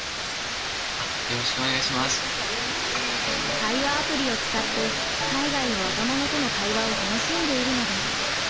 会話アプリを使って海外の若者との会話を楽しんでいるのです。